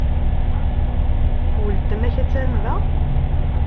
Weltma-k attan da?